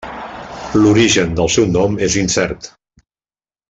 L'origen del seu nom és incert.